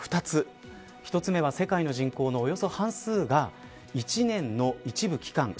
１つ目は世界の人口のおよそ半数が１年の一部期間